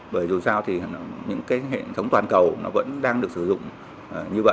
bởi dù sao thì những cái hệ thống toàn cầu nó vẫn đang được sử dụng như vậy